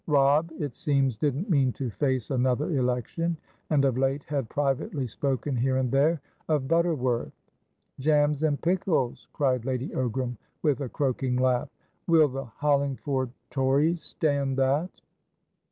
Robb, it seems, didn't mean to face another election, and of late had privately spoken here and there of Butterworth." "Jams and pickles!" cried Lady Ogram, with a croaking laugh. "Will the Hollingford Tories stand that?"